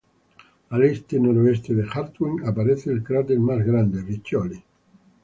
Al este-noreste de Hartwig aparece el cráter más grande Riccioli.